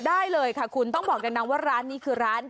ได้เลยค่ะคุณต้องบอกเลยนะว่าร้านนี้คือร้าน